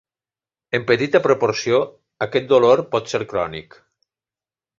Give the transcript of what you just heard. En petita proporció aquest dolor pot ser crònic.